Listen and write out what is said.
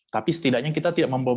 tapi setidaknya kita tidak membawa